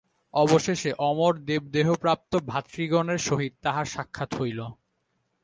অবশেষে অমর দেবদেহপ্রাপ্ত ভাতৃগণের সহিত তাঁহার সাক্ষাৎ হইল।